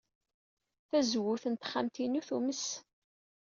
Tazewwut n texxamt-inu tumes.